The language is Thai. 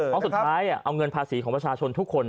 เพราะสุดท้ายเอาเงินภาษีของประชาชนทุกคน